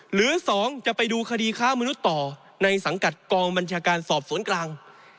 หรือ๒จะไปดูคดีค้ามนุษย์ต่อในสังกัดกองบัญชาการสอบสวนกลาง